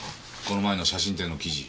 この前の写真展の記事。